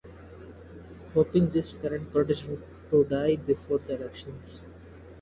Hoping these current politicians to die before the elections.